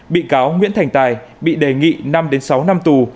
bị cáo nguyễn thành tài bị đề nghị năm sáu năm tù